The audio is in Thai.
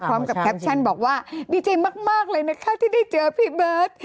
พร้อมกับแท็ปชั่นบอกว่าดีใจมากเลยนะคะที่ได้เจอพี่เบิร์ด